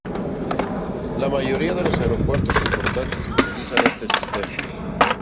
La mayoría de los aeropuertos importantes utilizan este sistema.